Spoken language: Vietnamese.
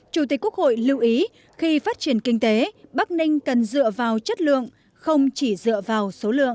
chủ tịch quốc hội lưu ý khi phát triển kinh tế bắc ninh cần dựa vào chất lượng không chỉ dựa vào số lượng